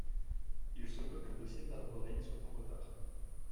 Il se peut que le dossier d’Arvorig soit en retard.